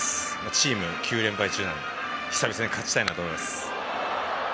チーム９連敗中なので久々に勝ちたいと思います。